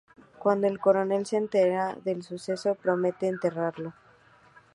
Cuando el coronel se entera del suceso, promete enterrarlo.